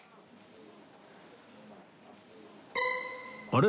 あれ？